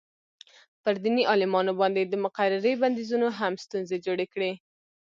پر دیني عالمانو باندې د مقررې بندیزونو هم ستونزې جوړې کړې.